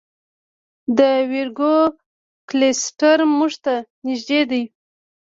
د ویرګو کلسټر موږ ته نږدې دی.